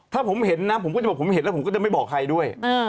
ถ้าผมเห็นนะผมก็จะบอกผมเห็นแล้วผมก็จะไม่บอกใครด้วย